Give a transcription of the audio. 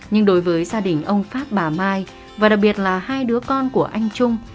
nhưng đối với gia đình ông phát bà mai và đặc biệt là hai đứa con của anh trung